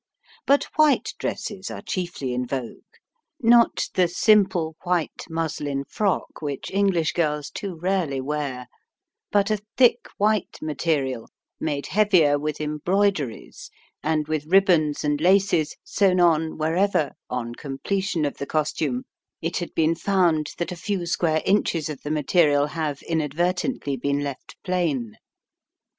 But white dresses are chiefly in vogue — not the simple white muslin frock which English girls too rarely wear, but a thick white material made heavier with embroideries and with ribbons and laces sewn on wherever, on completion of the costume, it had been found that a few square Digitized by VjOOQIC SOME WESTEEN TOWNS. 49 inches of the material have inadvertently been left plain.